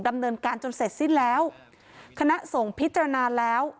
ดำเนินการจนเสร็จสิ้นแล้วคณะส่งพิจารณาแล้ว